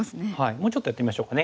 もうちょっとやってみましょうかね。